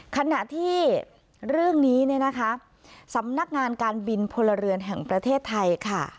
ขณะที่เรื่องนี้เนี่ยนะคะสำนักงานการบินพลเรือนแห่งประเทศไทยค่ะ